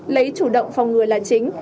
lấy chủ động phòng người là chính